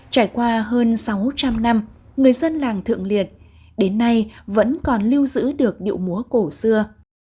trải qua hơn sáu trăm linh năm người dân làng thượng liệt đến nay vẫn còn lưu giữ được điệu múa cổ xưa